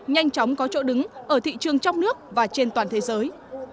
nhanh chóng có chỗ đứng ở thị trường trong nước và trên toàn thế giới